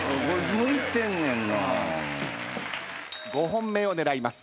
５本目を狙います。